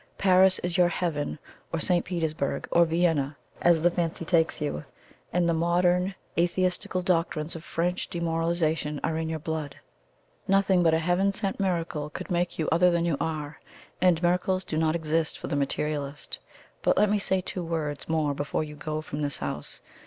Paris is your heaven, or St. Petersburg, or Vienna, as the fancy takes you; and the modern atheistical doctrines of French demoralization are in your blood. Nothing but a heaven sent miracle could make you other than you are, and miracles do not exist for the materialist. But let me say two words more before you go from this house.